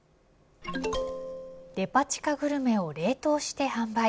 デパ地下グルメを冷凍して販売。